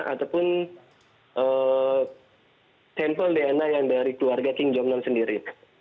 ataupun sampel dna yang dari keluarga king jong nan sendiri